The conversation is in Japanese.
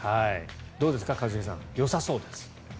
どうですか一茂さんよさそうです。